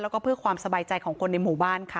แล้วก็เพื่อความสบายใจของคนในหมู่บ้านค่ะ